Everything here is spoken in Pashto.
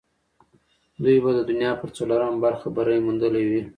دوی به د دنیا پر څلورمه برخه بری موندلی وي.